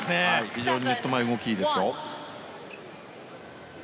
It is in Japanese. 非常にネット前動きいいですよ。